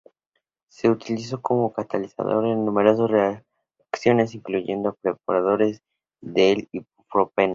Se utiliza como catalizador en numerosas reacciones, incluyendo precursores del ibuprofeno.